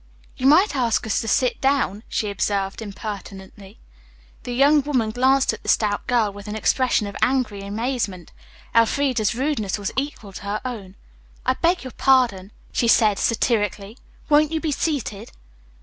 "You might ask us to sit down," she observed impertinently. The young woman glanced at the stout girl with an expression of angry amazement. Elfreda's rudeness was equal to her own. "I beg your pardon," she said satirically. "Won't you be seated?"